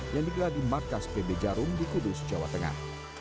yang digelar di markas pb jarum di kudus jawa tengah